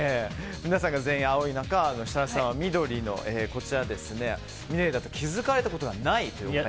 皆さんが全員青い中設楽さんは緑のｍｉｌｅｔだと気づかれたことがないと。